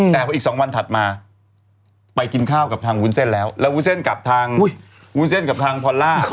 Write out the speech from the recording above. แต่พออีก๒วันถัดมาไปกินข้าวกับทางวุ้นเส้นแล้วแล้ววุ้นเส้นกับทางวุ้นเส้นกับทางพอลล่า